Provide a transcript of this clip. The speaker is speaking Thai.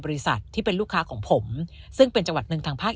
ที่เป็นลูกค้าของผมซึ่งเป็นจังหวัดหนึ่งทางภาค